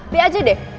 biar aja deh